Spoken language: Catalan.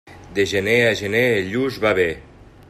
De gener a gener el lluç va bé.